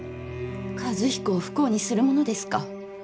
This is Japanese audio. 和彦を不幸にするものですか。